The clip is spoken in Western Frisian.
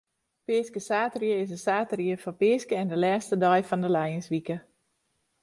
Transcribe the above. Peaskesaterdei is de saterdei foar Peaske en de lêste dei fan de lijenswike.